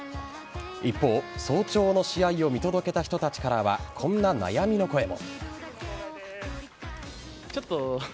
一方、早朝の試合を見届けた人たちからはこんな悩みの声も。